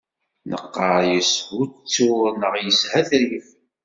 Neqqar yeshuttur neɣ yeshetrif.